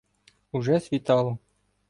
Уже світало.